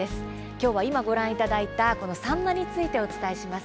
今日は今ご覧いただいたサンマについてお伝えします。